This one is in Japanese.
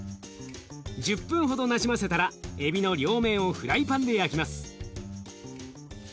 １０分ほどなじませたらエビの両面をフライパンで焼きます。